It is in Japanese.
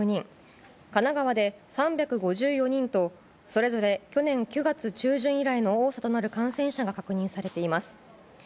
神奈川で３５４人とそれぞれ去年９月中旬以来の多さとなる感染者が確認されています。